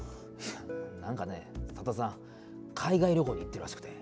なんかね、佐田さん、海外旅行に行ってるらしくて。